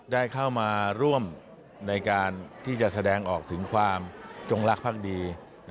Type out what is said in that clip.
ได้เข้ามาร่วมในการที่จะแสดงออกถึงความจงรักภักดี